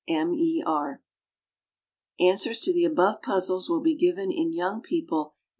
M. E. R. Answers to the above puzzles will be given in Young People No.